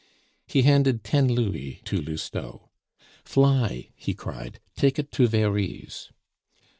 He handed ten louis to Lousteau. "Fly!" he cried; "take it to Very's."